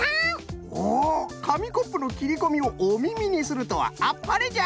おおかみコップのきりこみをおみみにするとはあっぱれじゃ！